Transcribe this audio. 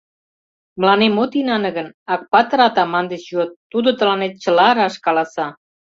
Мыланем от инане гын, Акпатыр-атаман деч йод, тудо тыланет чыла раш каласа.